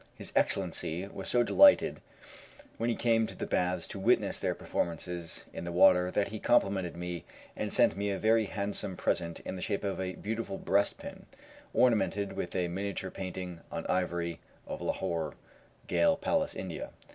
His Excellency was so delighted when he came to the baths to witness their performances in the water, that he complimented me, and sent me a very handsome present in the shape of a beautiful breast pin, ornamented with a miniature painting on ivory of Lahore, Gale Palace India.